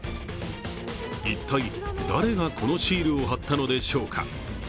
一体誰がこのシールを貼ったのでしょうか。